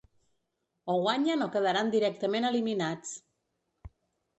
O guanyen o quedaran directament eliminats.